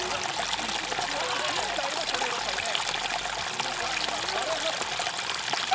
ピンクありましたね、どっかにね。